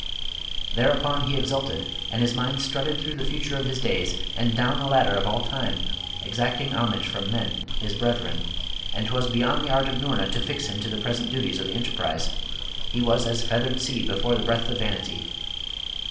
Thereupon he exulted, and his mind strutted through the future of his days, and down the ladder of all time, exacting homage from men, his brethren; and 'twas beyond the art of Noorna to fix him to the present duties of the enterprise: he was as feathered seed before the breath of vanity.